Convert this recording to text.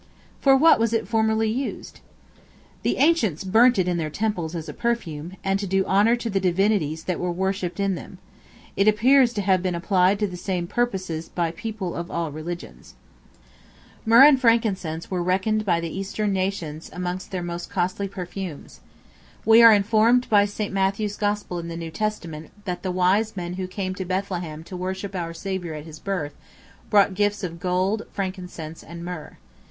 For what was it formerly used? The ancients burnt it in their temples as a perfume, and to do honor to the divinities that were worshipped in them: it appears to have been applied to the same purposes by people of all religions. Myrrh and Frankincense were reckoned by the Eastern nations amongst their most costly perfumes. We are informed by St. Matthew's Gospel in the New Testament, that the wise men who came to Bethlehem to worship our Saviour at his birth, brought gifts of gold, frankincense, and myrrh.